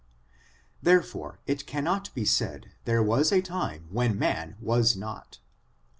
Therefore it cannot be said there was a time when man was not.